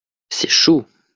c'est chaud.